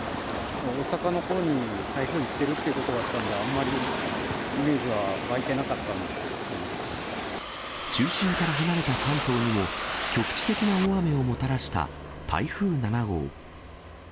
大阪のほうに、台風行ってるということだったんで、あんまりイメ中心から離れた関東にも、局地的な大雨をもたらした台風７号。